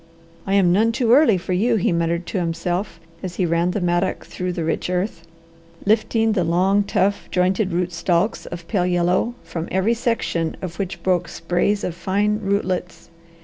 "I am none too early for you," he muttered to himself as he ran the mattock through the rich earth, lifting the long, tough, jointed root stalks of pale yellow, from every section of which broke sprays of fine rootlets.